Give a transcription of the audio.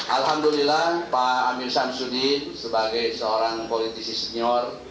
alhamdulillah pak amir samsudi sebagai seorang politisi senior